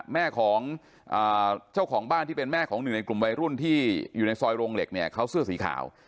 แม่ของเจ้าของบ้านที่เป็นแม่ของหนึ่งในกลุ่มวัยรุ่นที่อยู่ในซอยโรงเหล็กเนี่ยเขาเสื้อสีขาว